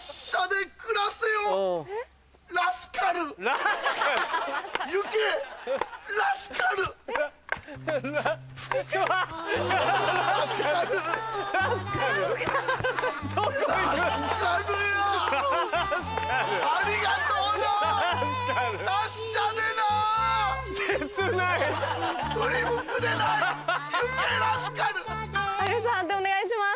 判定お願いします。